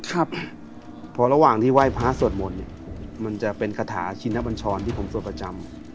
ครับพอระหว่างที่ไหว้พระสวดมนต์มันจะเป็นกรรถาชิณะบัญชอนที่ผมโสดประจำ